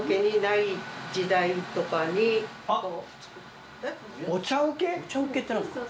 あっ！お茶うけって何ですか？